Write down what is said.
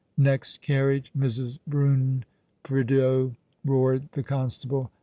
"Next carriage, Mrs. Brune Prideaux," roared the con stable.